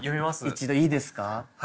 一度いいですか？